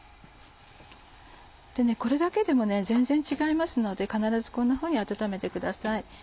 これだけでも全然違いますので必ずこんなふうに温めてください。